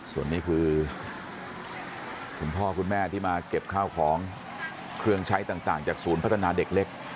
ส่วนนี้คือคุณพ่อคุณแม่ที่มาเก็บข้าวของเครื่องใช้ต่างจากศูนย์พัฒนาเด็กเล็ก